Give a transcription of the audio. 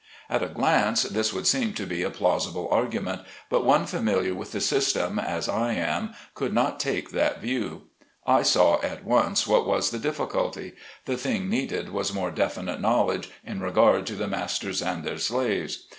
At a glance this would seem to be a plausible argument, but one familiar with the system as I am could not take that view. I saw at once what was the difficulty: the thing needed was more definite knowledge in regard to the masters and their slaves.